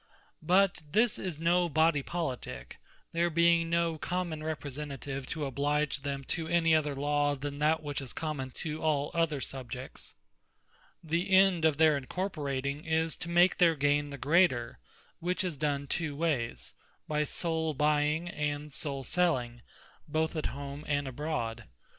But this is no Body Politique, there being no Common Representative to oblige them to any other Law, than that which is common to all other subjects. The End of their Incorporating, is to make their gaine the greater; which is done two wayes; by sole buying, and sole selling, both at home, and abroad.